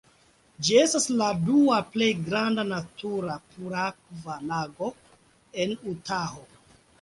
Ĝi estas la dua plej granda natura pur-akva lago en Utaho.